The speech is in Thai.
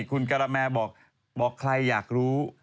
คุณการาแมบอกใครอยากรู้